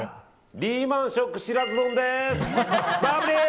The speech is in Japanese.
リーマン・ショック知らず丼です。